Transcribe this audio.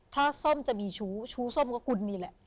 ถ้าส้มจะมีชู้ชู้ส้มก็คุณนี่แหละ